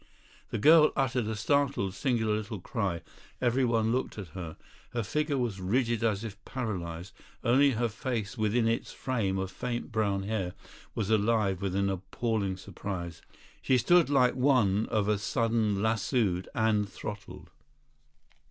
The girl uttered a startled, singular little cry; everyone looked at her. Her figure was rigid as if paralysed; only her face within its frame of faint brown hair was alive with an appalling surprise. She stood like one of a sudden lassooed and throttled.